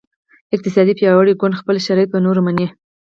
اقتصادي پیاوړی ګوند خپل شرایط په نورو مني